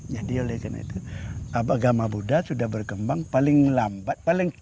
jadi oleh karena itu agama buddha sudah berkembang paling lambat